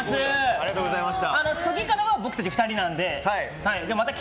ありがとうございます！